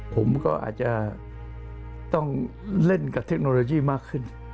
ผมก็อาจจะต้องเล่นกับเทคโนโลยีมากขึ้น